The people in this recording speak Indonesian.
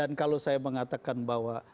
dan kalau saya mengatakan bahwa